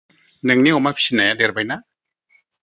नोंनि अमा फिसिनाया देरबाय ना?